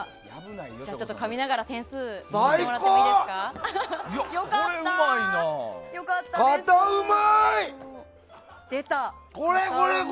ちょっとかみながら点数いってもらっていいですか。